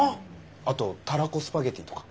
あとたらこスパゲッティとか。